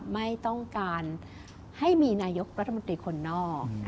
ไม่ต้องการให้มีนายกรัฐมนตรีคนนอก